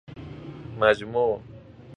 مجموع